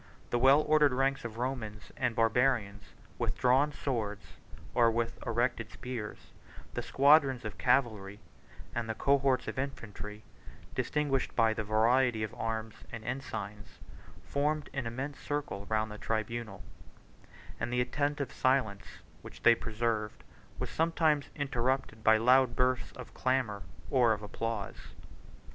The well ordered ranks of Romans and Barbarians, with drawn swords, or with erected spears, the squadrons of cavalry, and the cohorts of infantry, distinguished by the variety of their arms and ensigns, formed an immense circle round the tribunal; and the attentive silence which they preserved was sometimes interrupted by loud bursts of clamor or of applause.